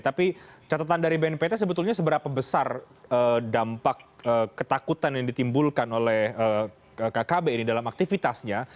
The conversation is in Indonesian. tapi catatan dari bnpt sebetulnya seberapa besar dampak ketakutan yang ditimbulkan oleh kkb ini dalam aktivitasnya